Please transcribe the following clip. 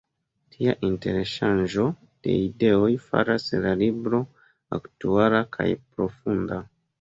Tia interŝanĝo de ideoj faras la libro aktuala kaj profunda.